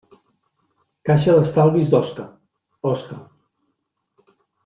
Caixa d'Estalvis d'Osca, Osca.